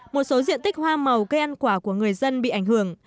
một số diện tích hoa màu cây ăn quả của người dân bị ảnh hưởng